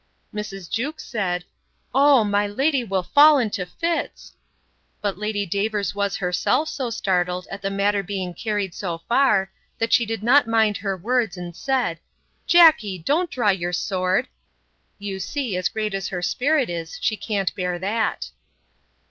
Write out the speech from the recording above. —Mrs. Jewkes said, Oh! my lady will fall into fits! But Lady Davers was herself so startled at the matter being carried so far, that she did not mind her words, and said, Jackey, don't draw your sword!—You see, as great as her spirit is, she can't bear that.